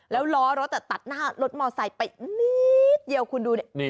แล้วล้อรถจะตัดหน้ารถมอเตอร์ไซค์ไปนิดเดียวคุณดูเนี่ย